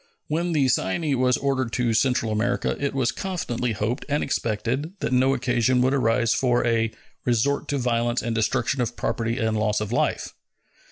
When the Cyane was ordered to Central America, it was confidently hoped and expected that no occasion would arise for "a resort to violence and destruction of property and loss of life."